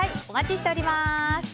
お待ちしております。